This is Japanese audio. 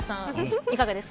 いかがですか。